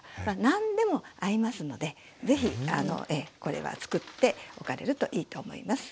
何でも合いますので是非これは作っておかれるといいと思います。